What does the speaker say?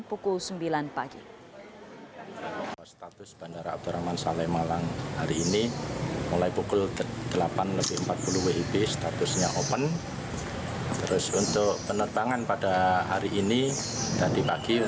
pukul sembilan pagi